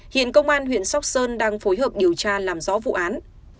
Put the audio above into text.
hiện công an huyện sóc sơn đang phối hợp điều tra làm rõ vụ án